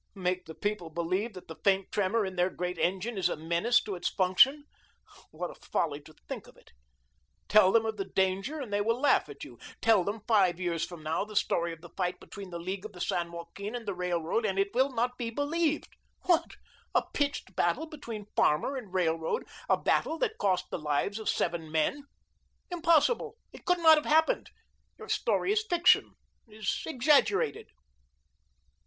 Make the people believe that the faint tremour in their great engine is a menace to its function? What a folly to think of it. Tell them of the danger and they will laugh at you. Tell them, five years from now, the story of the fight between the League of the San Joaquin and the Railroad and it will not be believed. What! a pitched battle between Farmer and Railroad, a battle that cost the lives of seven men? Impossible, it could not have happened. Your story is fiction is exaggerated.